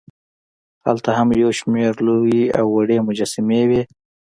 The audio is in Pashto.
هلته هم یوشمېر لوې او وړې مجسمې وې.